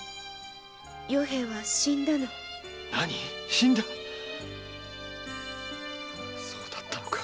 死んだそうだったのか。